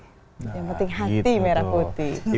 yang penting hati merah putih